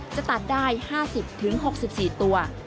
จะตัดได้๕๐๖๔ตัว